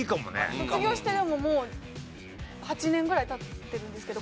卒業してもう８年ぐらい経ってるんですけど高校は。